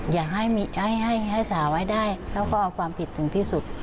อยากให้สาวไว้ได้แล้วก็เอาความผิดถึงที่สุด